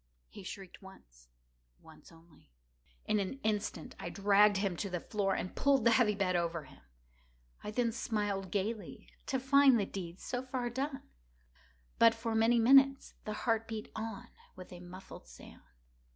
He shrieked once—once only. In an instant I dragged him to the floor, and pulled the heavy bed over him. I then smiled gaily, to find the deed so far done. But, for many minutes, the heart beat on with a muffled sound.